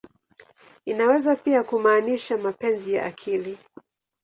Inaweza pia kumaanisha "mapenzi ya akili.